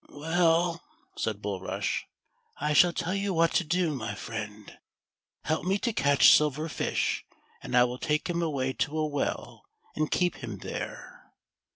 " Well," said Bulrush, " I shall tell you what to do, my friend ; help me to catch Silver Fish, and I will take him away to a well, and keep him there."